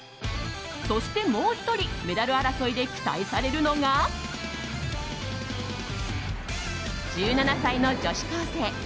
そして、もう１人メダル争いで期待されるのが１７歳の女子高生